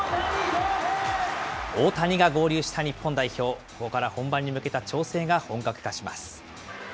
大谷が合流した日本代表、ここから本番に向けた調整が本格化します。